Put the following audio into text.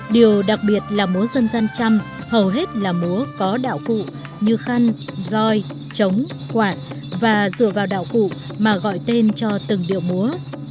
điều đặc biệt là múa dân gian trăm hầu hết là múa có đạo cụ như khăn roi trống quạt và dựa vào đạo cụ mà gọi tên cho từng điệu múa